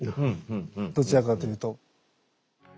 どちらかというと。